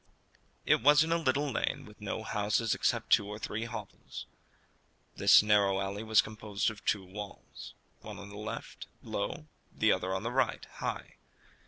It was in a little lane with no houses except two or three hovels. This narrow alley was composed of two walls one on the left, low; the other on the right, high.